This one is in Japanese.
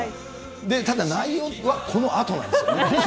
で、ただ、内容はこのあとなんです。